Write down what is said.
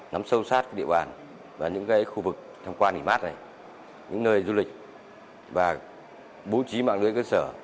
nắm sâu sát địa bàn và những khu vực tham quan nghỉ mát này những nơi du lịch và bố trí mạng lưới cơ sở